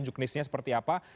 juknisnya seperti apa